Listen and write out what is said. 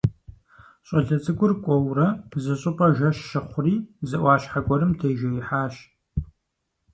ЩӀалэ цӀыкӀур кӀуэурэ, зыщӀыпӀэ жэщ щыхъури, зы Ӏуащхьэ гуэрым тежеихьащ.